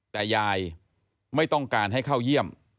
แต่ยายไม่ต้องการให้เข้าเยี่ยม